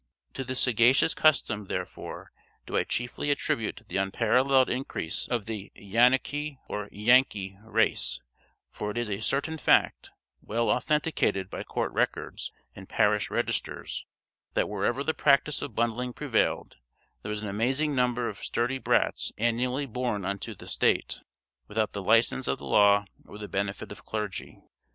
To this sagacious custom, therefore, do I chiefly attribute the unparalleled increase of the Yanokie or Yankee race: for it is a certain fact, well authenticated by court records and parish registers, that wherever the practice of bundling prevailed, there was an amazing number of sturdy brats annually born unto the state, without the license of the law or the benefit of clergy.